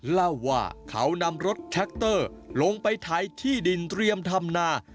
เล่าว่าเขานำรถแท็กเตอร์ลงไปถ่ายที่ดินเตรียมทำนา